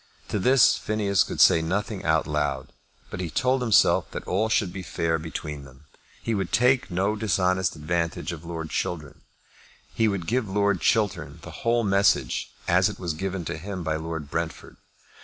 To this Phineas could say nothing out loud, but he told himself that all should be fair between them. He would take no dishonest advantage of Lord Chiltern. He would give Lord Chiltern the whole message as it was given to him by Lord Brentford.